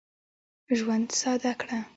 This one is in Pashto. ژوند ساده کړه.